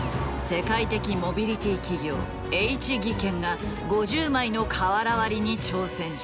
世界的モビリティー企業Ｈ技研が５０枚の瓦割りに挑戦した。